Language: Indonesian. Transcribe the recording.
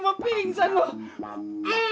baru t delaman